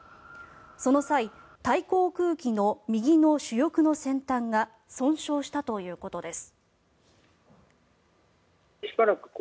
その際タイ航空機の右の主翼の先端が損傷したということです。